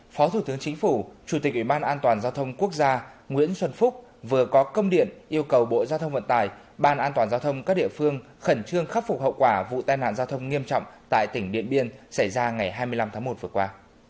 phó thủ tướng chính phủ chủ tịch ủy ban an toàn giao thông quốc gia nguyễn xuân phúc vừa có công điện yêu cầu bộ giao thông vận tải ban an toàn giao thông các địa phương khẩn trương khắc phục hậu quả vụ tai nạn giao thông nghiêm trọng tại tỉnh điện biên xảy ra ngày hai mươi năm tháng một vừa qua